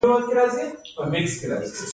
د پنجشیر په روخه کې د زمرد نښې شته.